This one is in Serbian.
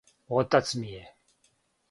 Отац ми је!